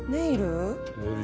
ネイル？